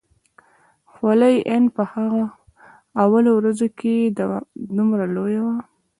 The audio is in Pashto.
خوله يې ان په هغه اولو ورځو کښې دومره لويه وه.